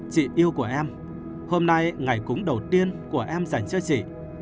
chị yêu của em hôm nay ngày cúng đầu tiên của em dành cho chị